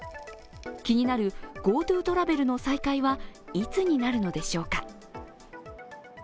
気になる、ＧｏＴｏトラベルの再開はいつになるのでしょうか。